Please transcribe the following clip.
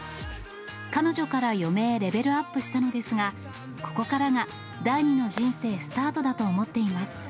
彼女から嫁へレベルアップしたのですが、ここからが第二の人生スタートだと思っています。